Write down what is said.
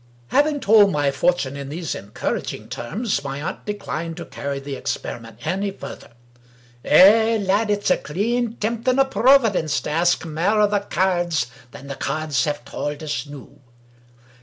Having told my fortune in these encouraging terms, my aunt declined to carry the experiment any further. " Eh, lad ! it's a clean tempting o' Proavidence to ask mair o' the cairds than the cairds have tauld us noo.